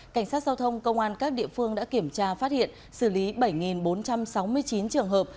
cảnh sát giao thông công an các địa phương đã kiểm tra phát hiện xử lý bảy bốn trăm sáu mươi chín trường hợp